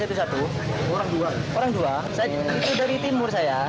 lolo sampai mas ya